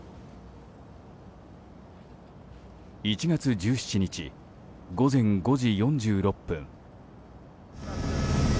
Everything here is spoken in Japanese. １月１７日午前５時４６分。